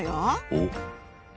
おっ！